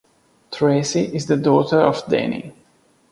Tracy is the daughter of Dany.